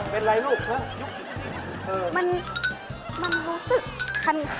เป็นไรลูกเค้ายุ่งสิถึงเธอ